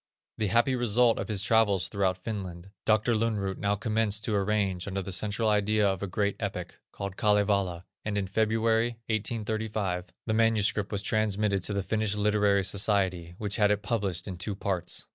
The happy result of his travels throughout Finland, Dr. Lönnrot now commenced to arrange under the central idea of a great epic, called Kalevala, and in February, 1835, the manuscript was transmitted to the Finnish Literary Society, which had it published in two parts.